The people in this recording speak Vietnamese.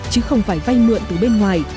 chứ không phải vay mượn từ bên ngoài